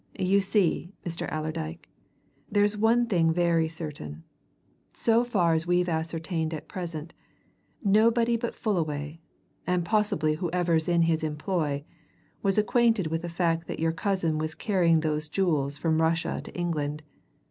You see, Mr. Allerdyke, there's one thing very certain so far as we've ascertained at present, nobody but Fullaway, and possibly whoever's in his employ, was acquainted with the fact that your cousin was carrying those jewels from Russia to England.